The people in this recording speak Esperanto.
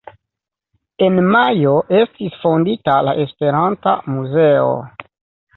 En Majo estis fondita la Esperanta Muzeo.